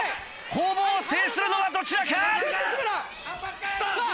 攻防を制するのはどちらか⁉・そうそう！